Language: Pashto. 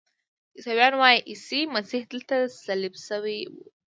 عیسویان وایي عیسی مسیح دلته صلیب شوی و.